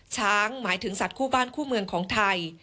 หมายถึงสัตว์คู่บ้านคู่เมืองของไทย